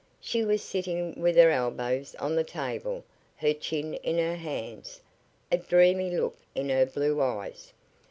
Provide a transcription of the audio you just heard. She was sitting with her elbows on the table, her chin in her hands, a dreamy look in her blue eyes.